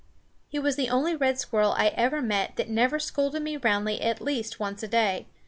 He was the only red squirrel I ever met that never scolded me roundly at least once a day.